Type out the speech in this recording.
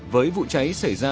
với vụ cháy xảy ra